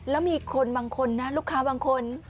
แล้วมีคนบางคนนะลูกค้าบางคน